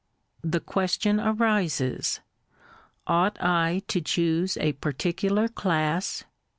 The question arises, — Ought I to choose a particular class?